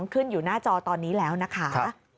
ขึ้นอยู่หน้าจอตอนนี้แล้วนะคะ